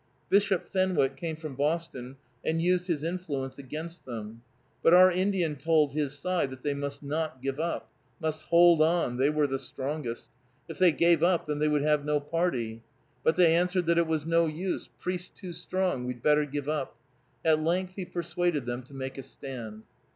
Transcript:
Bishop Fenwick came from Boston and used his influence against them. But our Indian told his side that they must not give up, must hold on, they were the strongest. If they gave up, then they would have no party. But they answered that it was "no use, priest too strong, we'd better give up." At length he persuaded them to make a stand.